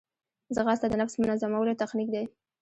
ځغاسته د نفس منظمولو تخنیک دی